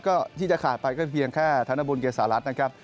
ก็ที่จะขาดไปก็เพียงแค่ธนบุญเกษารัฐนะครับ